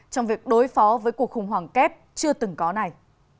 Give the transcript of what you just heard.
trong việc đối phó với cuộc khủng hoảng kép chưa từng có này